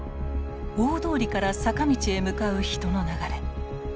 大通りから坂道へ向かう人の流れ。